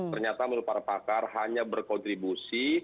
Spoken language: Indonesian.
ternyata menurut para pakar hanya berkontribusi